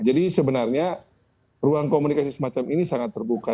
jadi sebenarnya ruang komunikasi semacam ini sangat terbuka